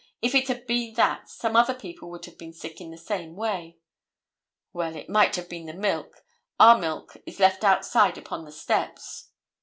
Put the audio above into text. "If it had been that some other people would have been sick in the same way." "Well, it might have been the milk; our milk is left outside upon the steps."